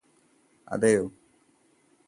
അതെയോ